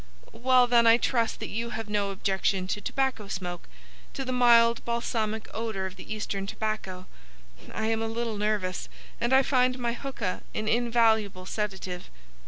Well, then, I trust that you have no objection to tobacco smoke, to the mild balsamic odour of the Eastern tobacco. I am a little nervous, and I find my hookah an invaluable sedative."